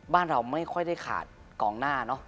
บ้านเราไม่ค่อยได้ขาดกองหน้าเนอะ